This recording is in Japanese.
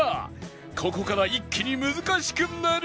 ここから一気に難しくなるが